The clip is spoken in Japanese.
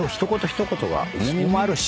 一言が重みもあるし。